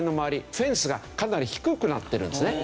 フェンスがかなり低くなってるんですね。